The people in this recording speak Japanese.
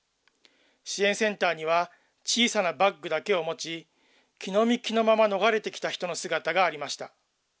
支援センターには、小さなバッグだけを持ち、着のみ着のまま逃れてきた人たちの姿がありました。